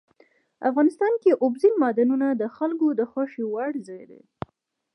افغانستان کې اوبزین معدنونه د خلکو د خوښې وړ ځای دی.